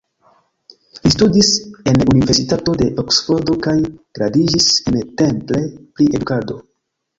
Li studis en Universitato de Oksfordo kaj gradiĝis en Temple pri edukado.